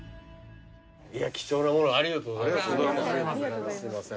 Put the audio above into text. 貴重な物をありがとうございます。